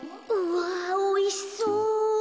うわおいしそう。